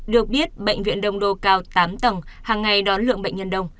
được biết bệnh viện đông đô cao tám tầng hàng ngày đón lượng bệnh nhân đông